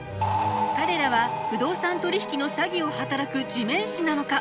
彼らは不動産取引の詐欺を働く地面師なのか？